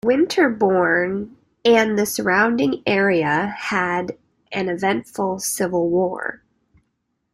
Winterbourne and the surrounding area had an eventful Civil War.